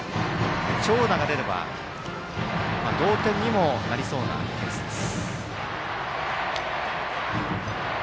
長打が出れば同点にもなりそうです。